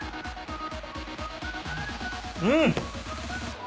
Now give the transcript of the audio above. うん！